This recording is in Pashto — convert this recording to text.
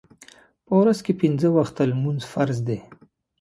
په ورځ کې پنځه وخته لمونځ فرض دی.